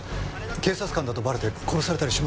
警察官だとバレて殺されたりしませんよね？